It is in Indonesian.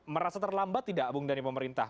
merasa terlambat tidak bung dhani pemerintah